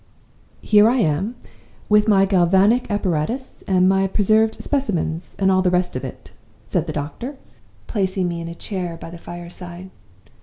"'Here I am, with my galvanic apparatus, and my preserved specimens, and all the rest of it,' said the doctor, placing me in a chair by the fireside.